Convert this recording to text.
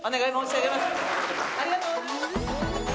ありがとうございます。